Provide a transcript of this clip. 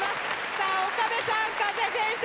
さあ岡部さん加瀬先生